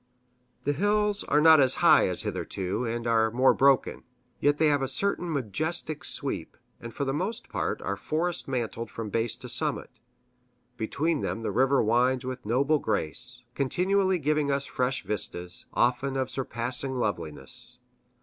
The hills are not as high as hitherto, and are more broken. Yet they have a certain majestic sweep, and for the most part are forest mantled from base to summit. Between them the river winds with noble grace, continually giving us fresh vistas, often of surpassing loveliness.